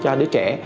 cho đứa trẻ